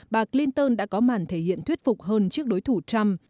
bà clinton đã có màn thể hiện thuyết phục hơn trước đối thủ trump